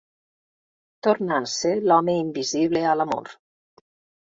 Torna a ser l'home invisible a l'amor.